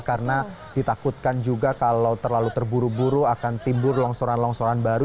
karena ditakutkan juga kalau terlalu terburu buru akan timbur longsoran longsoran baru